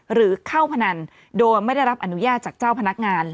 หรือเข้าพนันโดยไม่ได้รับอนุญาตจากเจ้าพนักงาน